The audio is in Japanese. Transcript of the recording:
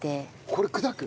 これ砕く？